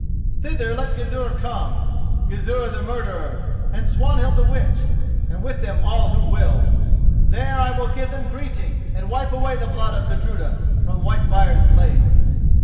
Thither let Gizur come, Gizur the murderer, and Swanhild the witch, and with them all who will. There I will give them greeting, and wipe away the blood of Gudruda from Whitefire's blade."